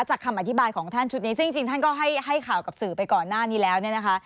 คำอธิบายของท่านชุดนี้ซึ่งจริงท่านก็ให้ข่าวกับสื่อไปก่อนหน้านี้แล้วเนี่ยนะคะ